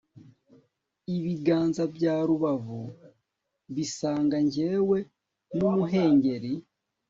Ibiganza bya rubavu bisanga Njyewe numuhengeri